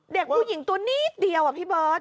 เด็กผู้หญิงตัวนิดเดียวอะพี่เบิร์ต